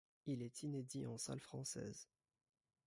Il est inédit en salles françaises.